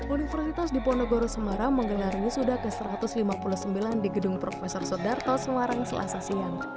universitas diponegoro semarang menggelar wisuda ke satu ratus lima puluh sembilan di gedung prof sodarto semarang selasa siang